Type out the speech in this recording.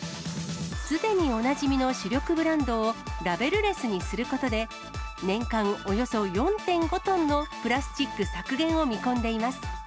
すでにおなじみの主力ブランドをラベルレスにすることで、年間およそ４．５トンのプラスチック削減を見込んでいます。